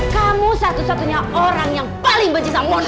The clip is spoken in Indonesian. kamu satu satunya orang yang paling benci sama mona